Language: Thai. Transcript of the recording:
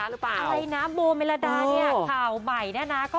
อะไรนะโบเมรดาเนี้ยข่าวใหม่แง่